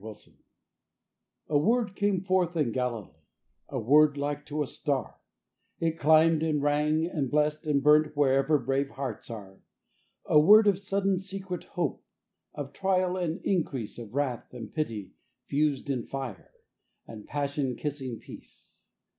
A WORD A word came forth in Galilee, a word like to a star; It climbed and rang and blessed and burnt wherever brave hearts are; A word of sudden secret hope, of trial and increase Of wrath and pity fused in fire, and passion kissing peace.